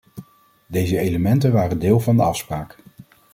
Deze elementen waren deel van de afspraak.